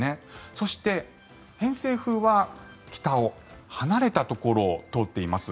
そして、偏西風は北、離れたところを通っています。